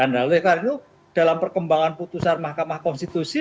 dan hal itu dalam perkembangan putusan mahkamah konstitusi